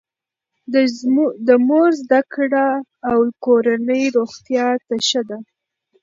د مور زده کړه د کورنۍ روغتیا ته ښه ده.